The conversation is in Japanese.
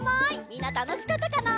みんなたのしかったかな？